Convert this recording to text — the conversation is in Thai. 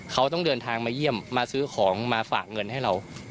เขาต้องเดินทางมาเยี่ยมมาซื้อของมาฝากเงินให้เรา